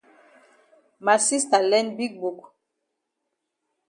Ma sista learn big book.